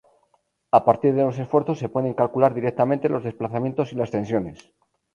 A partir de los esfuerzos se pueden calcular directamente los desplazamientos y las tensiones.